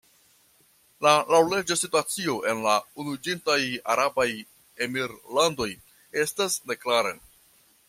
La laŭleĝa situacio en la Unuiĝintaj Arabaj Emirlandoj estas neklara.